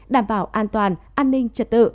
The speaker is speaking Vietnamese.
đảm bảo an toàn an ninh trật tự